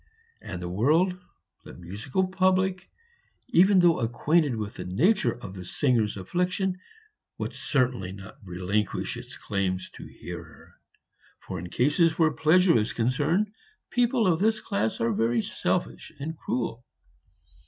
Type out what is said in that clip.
And the world, the musical public, even though acquainted with the nature of the singer's affliction, would certainly not relinquish its claims to hear her, for in cases where pleasure is concerned people of this class are very selfish and cruel.